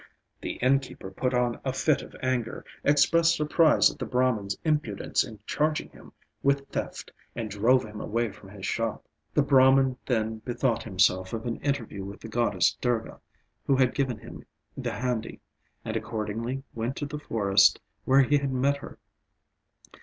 The innkeeper put on a fit of anger, expressed surprise at the Brahman's impudence in charging him with theft, and drove him away from his shop. The Brahman then bethought himself of an interview with the goddess Durga who had given him the handi, and accordingly went to the forest where he had met her.